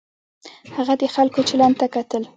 هغه د خلکو چلند ته کتل.